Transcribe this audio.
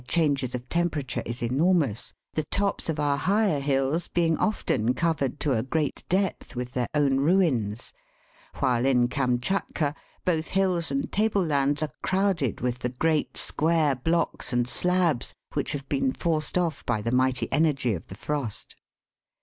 27 changes of temperature is enormous, the tops of our higher hills being often covered to a great depth with their own ruins ; while in Kamschatka both hills and table lands are crowded with the great square blocks and slabs which have been forced off by the mighty energy of the frost.